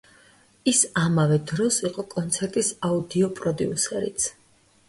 ის ამავე დროს იყო კონცერტის აუდიო პროდიუსერიც.